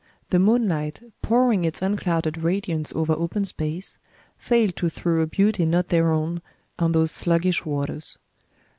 The moonlight, pouring its unclouded radiance over open space, failed to throw a beauty not their own on those sluggish waters.